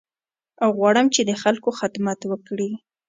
غواړم چې د خلکو خدمت وکړې.